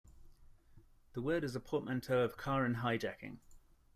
The word is a portmanteau of car and hijacking.